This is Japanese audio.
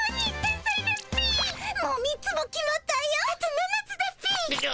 もう３つも決まったよ。